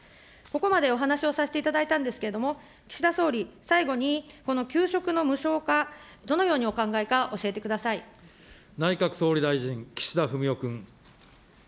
ここまでお話をさせていただいたんですけれども、岸田総理、最後にこの給食の無償化、どのように内閣総理大臣、岸田文雄君。